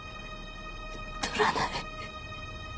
取らない。